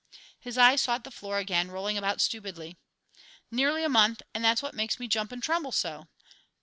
His eyes sought the floor again, rolling about stupidly. "Nearly a month, and that's what makes me jump and tremble so.